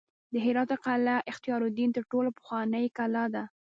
د هرات قلعه اختیارالدین تر ټولو پخوانۍ کلا ده